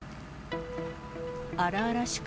荒々しく